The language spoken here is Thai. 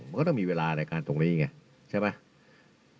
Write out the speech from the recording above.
มันก็ต้องมีเวลาในการตรงนี้ไงใช่ไหม